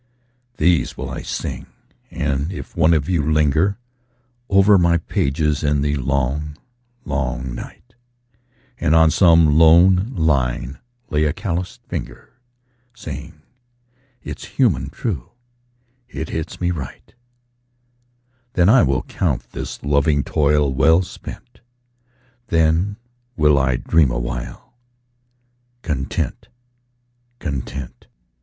These will I sing, and if one of you linger Over my pages in the Long, Long Night, And on some lone line lay a calloused finger, Saying: "It's human true it hits me right"; Then will I count this loving toil well spent; Then will I dream awhile content, content.